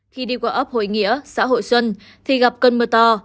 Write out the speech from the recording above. khi đi qua ấp hội nghĩa xã hội xuân thì gặp cơn mưa to